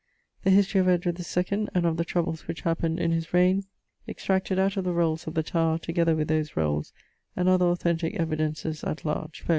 The History of Edward the 2d and of the troubles which happen'd in his reigne, extracted out of the rolls of the Tower, together with those rolls and other authentick evidences at large: ffol.